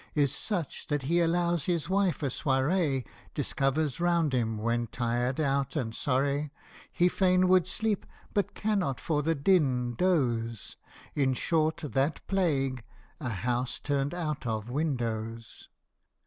Is such that he allows his wife a soiree, Discovers round him, when tired out and sorry, He fain would sleep, but cannot for the din doze In short, that plague, " a house turned out of windows."